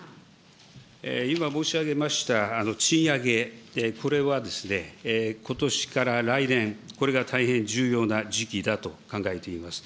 今申し上げました、賃上げ、これはことしから来年、これが大変重要な時期だと考えています。